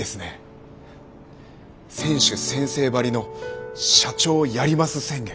選手宣誓ばりの社長やります宣言。